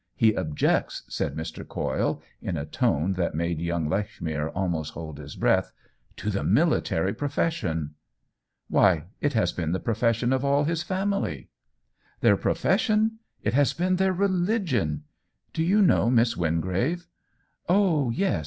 He objects," said Mr. Coyle, in a tone that made young OWEN WINGRAVE 155 Lechmere almost hold his breath, "to the military profession." "Why, it has been the profession of all his family !"" Their profession ? It has been their re ligion ! Do you know Miss Wingrave ?"" Oh yes.